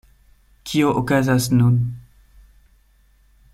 Kio okazas nun?